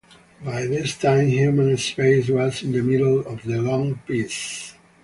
By this time, Human space was in the middle of the "Long Peace".